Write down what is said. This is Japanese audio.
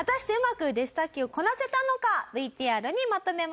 ＶＴＲにまとめました。